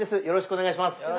よろしくお願いします。